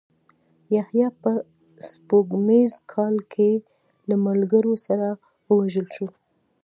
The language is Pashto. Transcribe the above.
یحیی په سپوږمیز کال کې له ملګرو سره ووژل شو.